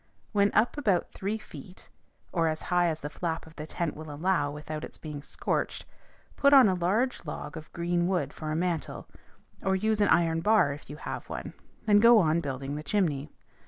When up about three feet, or as high as the flap of the tent will allow without its being scorched, put on a large log of green wood for a mantle, or use an iron bar if you have one, and go on building the chimney.